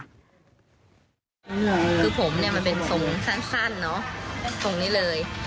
คือผมเนี่ยมันเป็นทรงสั้นเนอะตรงนี้เลย